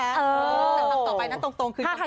เออสิ่งที่ก็ต่อไปนะตรงตรงคืนหลาย